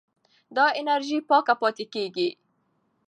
دا انرژي پاکه پاتې کېږي.